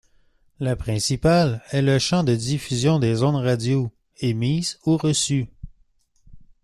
La principale est le champ de diffusion des ondes radios émises ou reçu.